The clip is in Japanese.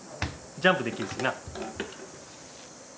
ジャンプできるしな。